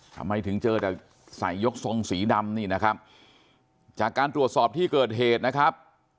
ทำไมถึงเจอแต่ใส่ยกทรงสีดำนี่นะครับจากการตรวจสอบที่เกิดเหตุนะครับ